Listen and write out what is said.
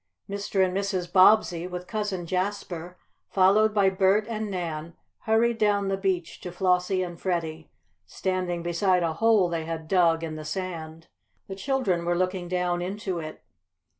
Mr. and Mrs. Bobbsey, with Cousin Jasper, followed by Bert and Nan, hurried down the beach to Flossie and Freddie, standing beside a hole they had dug in the sand. The children were looking down into it.